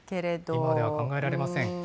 今では考えられません。